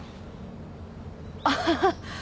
アハハッ。